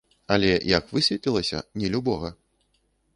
Але, як высветлілася, не любога.